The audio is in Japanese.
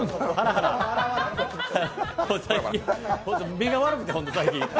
目が悪くて最近。